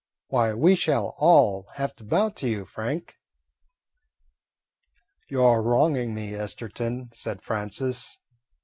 Why, we shall all have to bow to you, Frank!" "You 're wronging me, Esterton," said Francis.